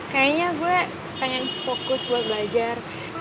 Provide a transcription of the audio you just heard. kayaknya gue pengen fokus buat belajar